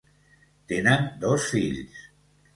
Tenen dos fills: